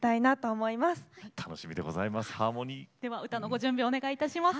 では歌のご準備お願いいたします。